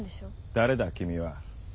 誰だ君は？